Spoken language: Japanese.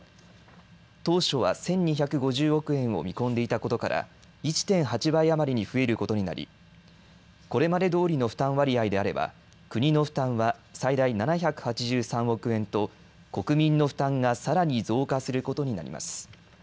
当初は１２５０億円を見込んでいたことから１．８倍余りに増えることになりこれまでどおりの負担割合であれば国の負担は最大７８３億円と国民の負担がさらに増加することになります。